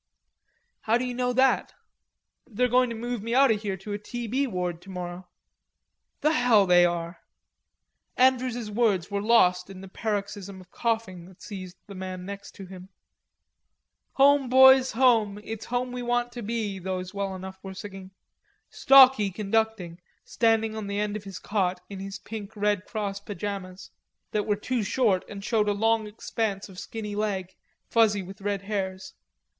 "How do you know that?" "They're going to move me out o' here to a t.b. ward tomorrow." "The hell they are!" Andrews's words were lost in the paroxysm of coughing that seized the man next to him. "Home, boys, home; it's home we want to be." Those well enough were singing, Stalky conducting, standing on the end of his cot in his pink Red Cross pajamas, that were too short and showed a long expanse of skinny leg, fuzzy with red hairs.